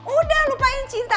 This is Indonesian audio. udah lupain cinta